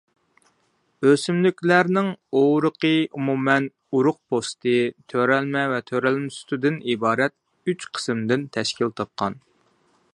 ئۆسۈملۈكلەرنىڭ ئۇرۇقى ئومۇمەن ئۇرۇق پوستى، تۆرەلمە ۋە تۆرەلمە سۈتىدىن ئىبارەت ئۈچ قىسىمدىن تەشكىل تاپقان.